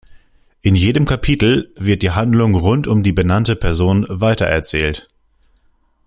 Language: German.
In jedem Kapitel wird die Handlung rund um die benannte Person weitererzählt.